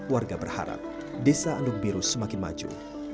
warga berharap desa andung biru semakin maju